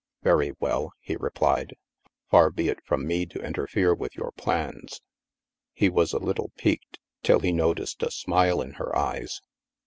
" Very well," he replied, " far be it from me to interfere with your plans." He was a little piqued, till he noticed a smile in her eyes.